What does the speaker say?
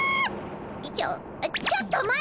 ちょちょっと待って。